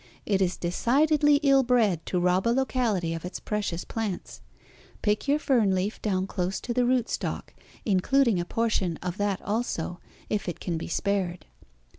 It is decidedly ill bred to rob a locality of its precious plants. Pick your fern leaf down close to the root stock, including a portion of that also, if it can be spared.